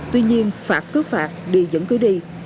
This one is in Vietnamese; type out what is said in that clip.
tuy nhiên phạt cứ phạt đi vẫn cứ đi